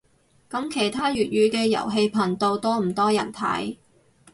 噉其他粵語嘅遊戲頻道多唔多人睇